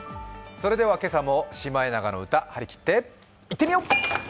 それでは今朝も「シマエナガの歌」張り切っていってみよう。